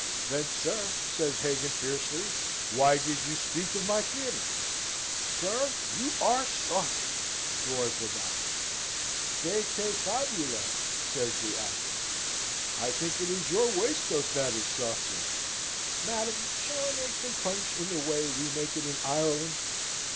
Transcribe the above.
"Then, sir," says Hagan, fiercely, "why did you speak of my theatre?" "Sir, you are saucy!" roars the Doctor. "De te fabula," says the actor. "I think it is your waistcoat that is saucy. Madam, shall I make some punch in the way we make it in Ireland?"